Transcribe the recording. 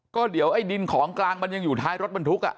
ก็เดี๋ยวไอ้ดินของกลางมันยังอยู่ท้ายรถบรรทุก